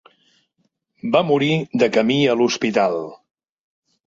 Va morir de camí a l'hospital.